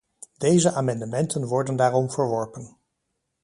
Deze amendementen worden daarom verworpen.